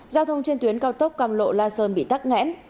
giao thông trên tuyến cao tốc cam lộ la sơn bị tắt ngẽn